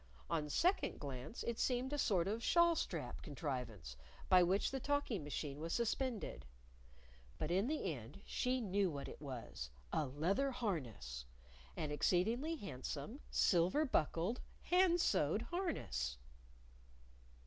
On second glance it seemed a sort of shawl strap contrivance by which the talking machine was suspended. But in the end she knew what it was a leather harness! an exceedingly handsome, silver buckled, hand sewed harness!